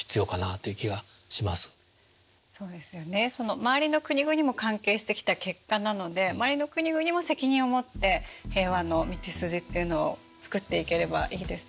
周りの国々も関係してきた結果なので周りの国々も責任を持って平和の道筋っていうのを作っていければいいですね。